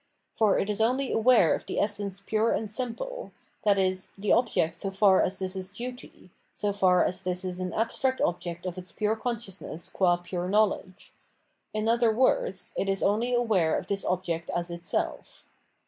Eor it is only aware of the essence pure and simple, i.e. the object so far as this is duty, so far as this is an abstract object of its pure consciousness qua pure knowledge — in other words, it is only aware of this object as itself.